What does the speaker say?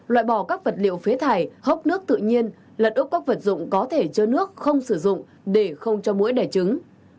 loại bỏ các vật liệu phế thải hốc nước tự nhiên lật úc các vật dụng có thể chứa nước không sử dụng để không cho mũi đẻ trứng